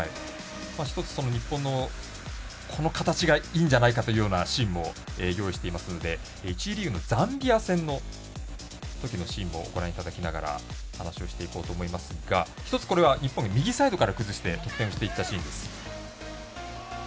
一つ、日本のこの形がいいんじゃないかというようなシーンも用意していますので１次リーグのザンビア戦のシーンもご覧いただきながら話をしていこうと思いますが一つ、日本の右サイドから崩して点をしていったシーンです。